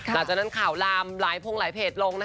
หลังจากนั้นข่าวลามหลายพงหลายเพจลง